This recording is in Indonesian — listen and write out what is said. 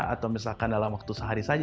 atau misalkan dalam waktu sehari saja